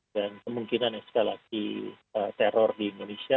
dan kemungkinan eskalasi teror di indonesia